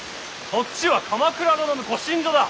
そっちは鎌倉殿のご寝所だ。